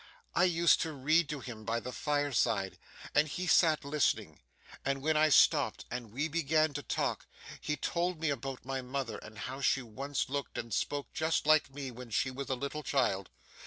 'I used to read to him by the fireside, and he sat listening, and when I stopped and we began to talk, he told me about my mother, and how she once looked and spoke just like me when she was a little child.